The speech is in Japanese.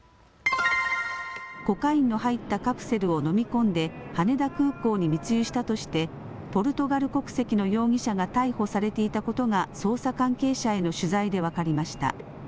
コカインの入ったカプセルを飲み込んで羽田空港に密輸したとしてポルトガル国籍の容疑者が逮捕されていたことが捜査関係者への取材で分かりました。